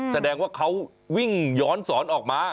แสดงว่าเขาวิ่งย้อนสอนออกมา